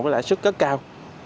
với lãi suất rất cao